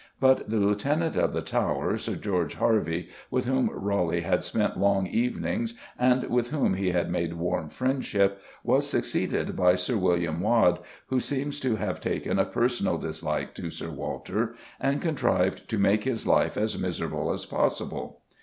But the Lieutenant of the Tower, Sir George Harvey, with whom Raleigh had spent long evenings and with whom he had made warm friendship, was succeeded by Sir William Waad, who seems to have taken a personal dislike to Sir Walter, and contrived to make his life as miserable as possible.